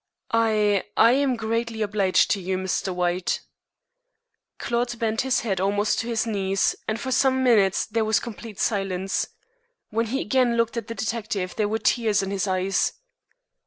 "I I am greatly obliged to you, White." Claude bent his head almost to his knees, and for some minutes there was complete silence. When he again looked at the detective there were tears in his eyes.